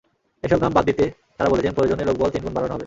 এসব নাম বাদ দিতে তাঁরা বলেছেন, প্রয়োজনে লোকবল তিন গুণ বাড়ানো হবে।